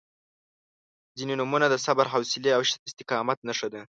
• ځینې نومونه د صبر، حوصلې او استقامت نښه ده.